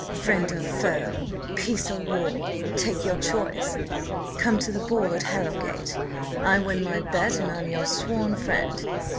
"Friend or foe! peace or war! Take your choice. Come to the ball at Harrowgate, I win my bet, and I'm your sworn friend.